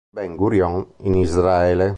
Ben Gurion, in Israele.